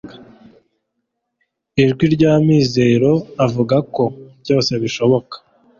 n'ijwi ry'amizero avuga ko byose bishoboka